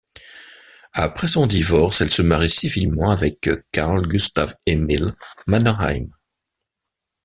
Après son divorce, elle se marie civilement avec Carl Gustaf Emil Mannerheim.